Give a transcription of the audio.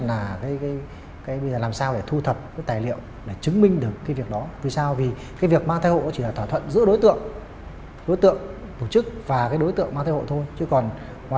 ngoài ra thì đều tựa mới rồi việc củng cố tài liệu làm sao để chứng minh được rõ nhất hành vi này để xứ cho quốc lộ